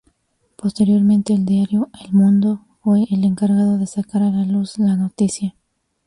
Posteriormente el diario "El Mundo" fue el encargado de sacar a luz la noticia.